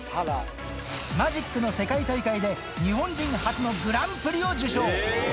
マジックの世界大会で日本人初のグランプリを受賞。